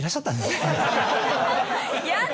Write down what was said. やだ！